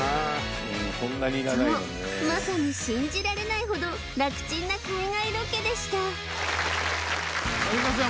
そうまさに信じられないほど楽ちんな海外ロケでした凪咲ちゃん